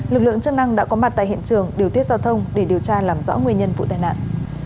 lực lượng chức năng đã có mặt tại hiện trường điều tiết giao thông để điều tra làm rõ nguyên nhân vụ tai nạn